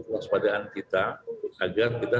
kewaspadaan kita agar kita